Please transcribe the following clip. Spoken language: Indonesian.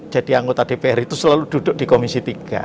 jadi anggota dpr itu selalu duduk di komisi tiga